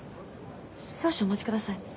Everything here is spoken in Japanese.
少々お待ちください